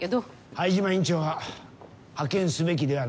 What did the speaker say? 灰島院長は派遣すべきではないと。